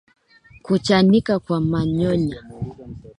Kuchanika kwa manyoya